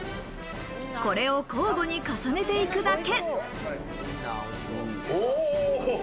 これを交互に重ねていくだけ。